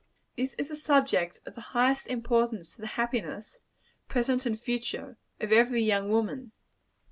This is a subject of the highest importance to the happiness present and future of every young woman.